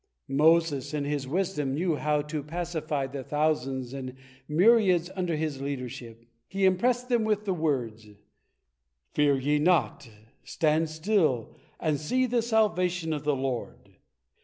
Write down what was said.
Moses in his wisdom knew how to pacify the thousands and myriads under his leadership. He impressed them with the words, "Fear ye not, stand still, and see the salvation of the Lord."